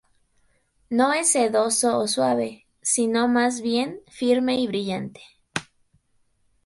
No es sedoso o suave, sino más bien firme y brillante.